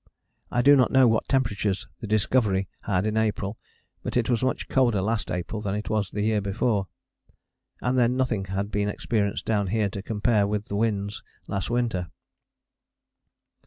I do not know what temperatures the Discovery had in April, but it was much colder last April than it was the year before. And then nothing had been experienced down here to compare with the winds last winter.